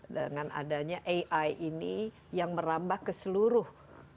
dengan adanya ai ini yang merambah ke seluruh